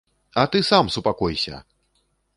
А ты сам супакойся!